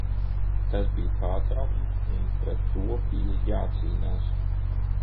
Tas bija pārkāpums un pret to bija jācīnās.